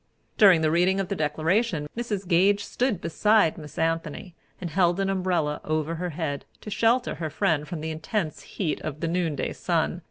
During the reading of the Declaration, Mrs. Gage stood beside Miss Anthony and held an umbrella over her head, to shelter her friend from the intense heat of the noonday sun.